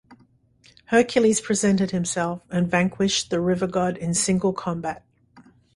Hercules presented himself and vanquished the river-god in single combat.